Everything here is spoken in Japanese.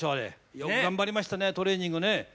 よく頑張りましたねトレーニングね。